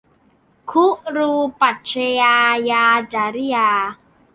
คุรูปัชฌายาจริยา